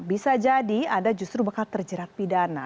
bisa jadi anda justru bakal terjerat pidana